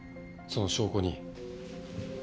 その証拠に。